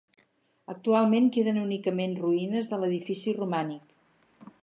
Actualment queden únicament ruïnes de l'edifici romànic.